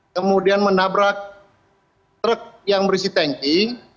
kemudian menabrak truk yang berisi tanki